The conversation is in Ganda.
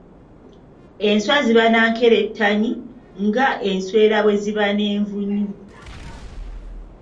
Enswa ziba na nkerettanyi nga n’enswera bwe ziba n'envunyu.